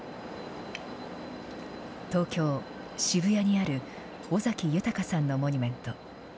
東京・渋谷にある、尾崎豊さんのモニュメント。